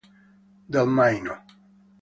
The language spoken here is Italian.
Del Maino